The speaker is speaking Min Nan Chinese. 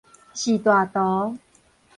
序大圖